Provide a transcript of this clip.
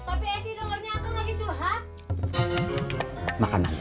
masih di rumah sarapan dulu katanya